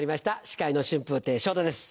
司会の春風亭昇太です。